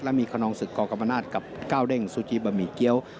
และมีขนองศึกกกรรมนาศกับก้าวเด้งซูจิบะหมี่เกี้ยว